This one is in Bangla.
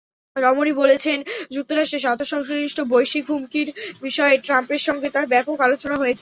রমনি বলেছেন, যুক্তরাষ্ট্রের স্বার্থ-সংশ্লিষ্ট বৈশ্বিক হুমকির বিষয়ে ট্রাম্পের সঙ্গে তাঁর ব্যাপক আলোচনা হয়েছে।